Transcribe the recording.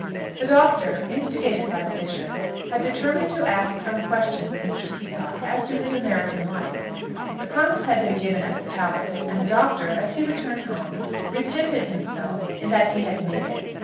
THE Doctor, instigated by the Bishop, had determined to ask some questions of Mr. Peacocke as to his American life. The promise had been given at the Palace, and the Doctor, as he returned home, repented himself in that he had made it.